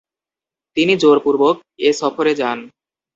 তিনি জোরপূর্বক এ সফরে যান।